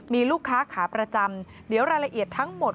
มีลูกค้าขาประจำเดี๋ยวรายละเอียดทั้งหมด